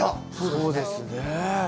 そうですね。